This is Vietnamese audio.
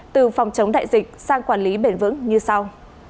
từ phòng chống đại dịch sang quản lý bền vững như sau